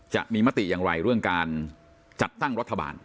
จะมีมติอย่างไรเรื่องการจัดตั้งรัฐบาล